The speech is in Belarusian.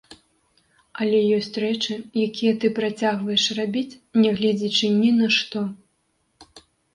Але ёсць рэчы, якія ты працягваеш рабіць, нягледзячы ні на што.